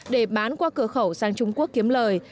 để bán qua cửa khẩu sang trung quốc kiếm lời